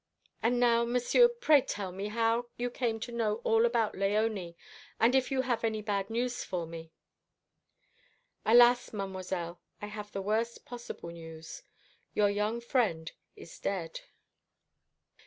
And now, Monsieur, pray tell me how you came to know all about Léonie, and if you have any bad news for me." "Alas, Mademoiselle, I have the worst possible news. Your young friend is dead."